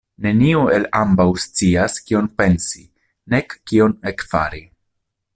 Neniu el ambaŭ scias, kion pensi, nek kion ekfari.